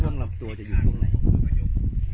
พ่วงหลับตัวจะอยู่ตรงไหน